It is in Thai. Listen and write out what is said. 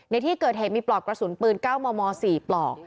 ในที่เกิดเหตุมีปลอกกระสุนปืน๙มม๔ปลอก